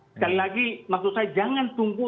sekali lagi maksud saya jangan tunggu